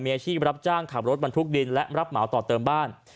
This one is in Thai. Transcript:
มีอาชีพรับจ้างขับรถบรรทุกดินและรับเหมาต่อเติมบ้าน